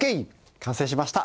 完成しました。